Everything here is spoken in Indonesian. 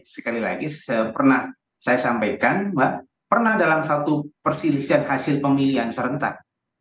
sekali lagi pernah saya sampaikan mbak pernah dalam satu perselisihan hasil pemilihan serentak